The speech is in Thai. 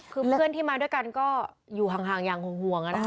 คือเพื่อนที่มาด้วยกันก็อยู่ห่างอย่างห่วง